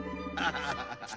ハハハハ。